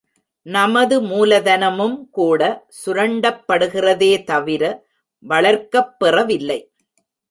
நமது மூலதனமும்கூட சுரண்டப்படுகிறதே தவிர வளர்க்கப் பெறவில்லை.